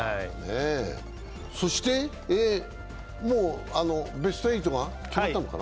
そして、もうベスト８が決まったのかな？